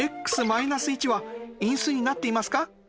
は因数になっていますか？